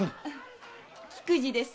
菊路です